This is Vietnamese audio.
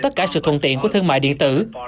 tất cả sự thuận tiện của thương mại điện tử